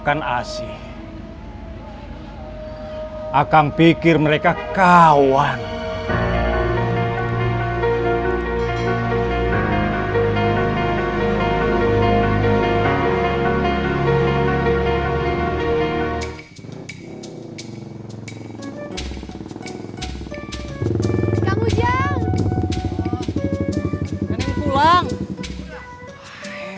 kita akan berubah